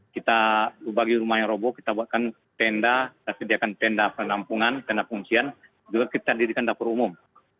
kita bagi rumahnya robo kita buatkan tenda dan sediakan tenda penampungan tenda pengungsian juga kita didirikan dapur umum